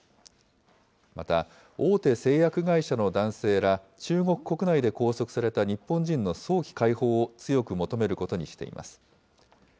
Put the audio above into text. また、大手製薬会社の男性ら、中国国内で拘束された日本人の早期解放を強く求めることにしています。